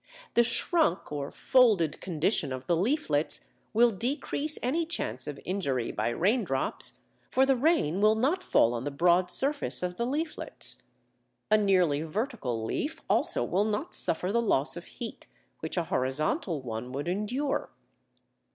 The "shrunk" or folded condition of the leaflets will decrease any chance of injury by raindrops, for the rain will not fall on the broad surface of the leaflets. A nearly vertical leaf also will not suffer the loss of heat which a horizontal one would endure.